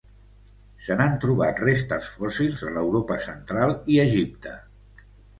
Se n'han trobat restes fòssils a l'Europa Central i Egipte.